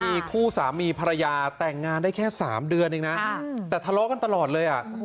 มีคู่สามีภรรยาแต่งงานได้แค่๓เดือนเองนะแต่ทะเลาะกันตลอดเลยอ่ะ